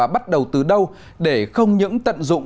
bắt đầu từ đâu để không những tận dụng